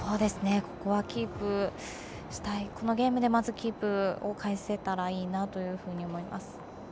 ここはキープしたいこのゲームでキープし返せたらいいと思います。